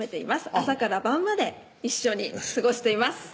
朝から晩まで一緒に過ごしています